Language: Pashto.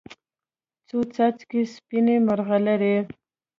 څو څاڅکي سپینې، مرغلرې